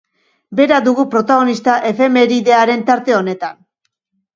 Bera dugu protagonista, efemeridearen tarte honetan.